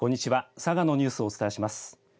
佐賀のニュースをお伝えします。